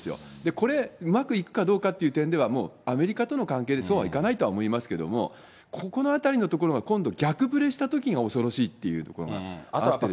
これ、うまくいくかどうかっていう点では、もうアメリカとの関係でそうはいかないと思いますけれども、ここのあたりのところが今度、逆ぶれしたときが恐ろしいってところがあってですね。